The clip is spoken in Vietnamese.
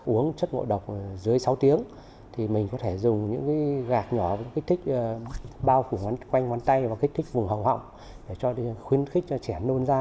uống chất ngộ độc dưới sáu tiếng thì mình có thể dùng những gạt nhỏ kích thích bao khủng quanh oán tay và kích thích vùng họng họng để khuyến khích cho trẻ nôn ra